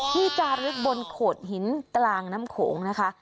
จารึกบนโขดหินกลางน้ำโขงนะคะ